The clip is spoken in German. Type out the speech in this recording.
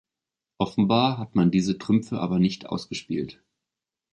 Offenbar hat man diese Trümpfe aber nicht ausgespielt.